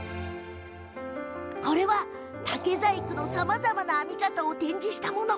これは竹細工の編み方を展示したもの。